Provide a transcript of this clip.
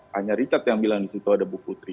hanya richard yang bilang disitu ada bu putri